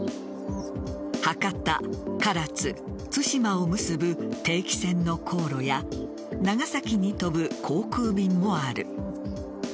博多、唐津、対馬を結ぶ定期船の航路や長崎に飛ぶ航空便もある。